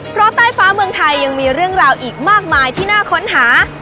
เพราะใต้ฟ้าเมืองไทยยังมีเรื่องราวอีกมากมายที่น่าค้นหา